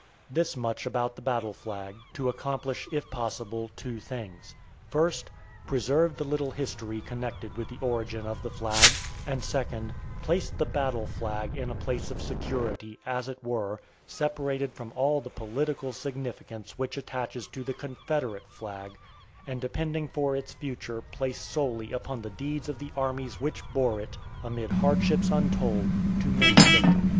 This much about the battle flag, to accomplish, if possible, two things: first, preserve the little history connected with the origin of the flag; and, second, place the battle flag in a place of security, as it were, separated from all the political significance which attaches to the Confederate flag, and depending for its future place solely upon the deeds of the armies which bore it, amid hardships untold, to many victories.